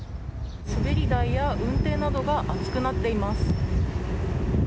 滑り台やうんていなどが熱くなっています。